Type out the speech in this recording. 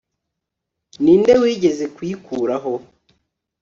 ni nde wigeze kuyikuraho